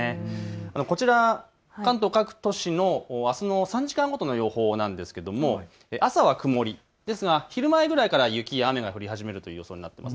こちら関東、各都市のあすの３時間ごとの予報なんですけれど朝は曇りですが昼前ぐらいから雪や雨が降り始めるという予想になっています。